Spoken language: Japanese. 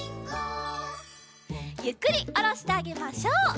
ゆっくりおろしてあげましょう。